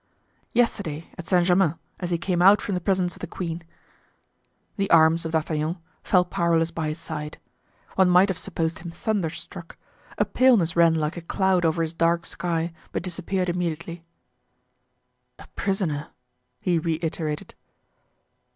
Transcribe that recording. "Yesterday, at Saint Germain, as he came out from the presence of the queen." The arms of D'Artagnan fell powerless by his side. One might have supposed him thunderstruck; a paleness ran like a cloud over his dark skin, but disappeared immediately. "A prisoner?" he reiterated.